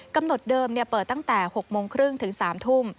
กำหนดเดิมเปิดตั้งแต่๖โมงครึ่งถึง๓ทุ่ม